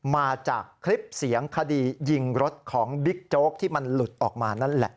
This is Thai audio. มาจากคลิปเสียงคดียิงรถของบิ๊กโจ๊กที่มันหลุดออกมานั่นแหละ